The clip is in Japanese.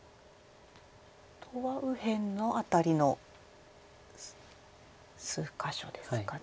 あとは右辺の辺りの数か所ですかね。